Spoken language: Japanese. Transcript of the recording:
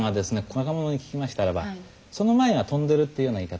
若者に聞きましたらばその前が「飛んでる」っていうような言い方をしてた。